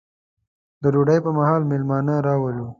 د ډوډۍ پر مهال مېلمانه راولو.